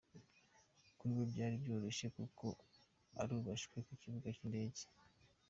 Kuri we byari byoroshye kuko arubashywe ku kibuga cy’indege.